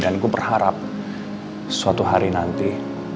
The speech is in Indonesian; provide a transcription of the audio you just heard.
dan gue berharap suatu hari nanti